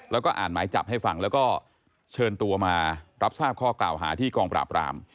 แล้วก็อ่านหมายจับให้ฟังแล้วก็เชิญตัวมารับทราบข้อกล่าวหาที่กองปราบราม